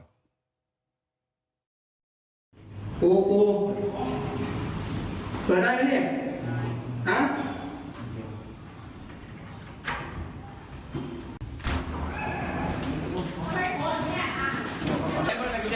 กูกูเปิดได้มั้ยเนี่ยใช่ฮะ